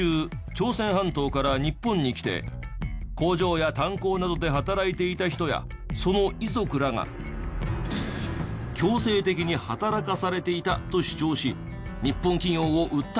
朝鮮半島から日本に来て工場や炭鉱などで働いていた人やその遺族らが強制的に働かされていたと主張し日本企業を訴えたところ。